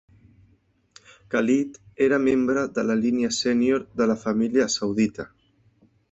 Khalid era membre de la línia sènior de la família saudita.